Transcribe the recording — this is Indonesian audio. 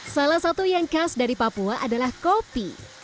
salah satu yang khas dari papua adalah kopi